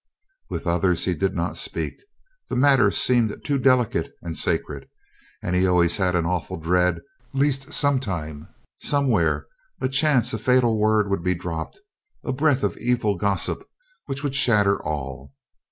With others he did not speak; the matter seemed too delicate and sacred, and he always had an awful dread lest sometime, somewhere, a chance and fatal word would be dropped, a breath of evil gossip which would shatter all.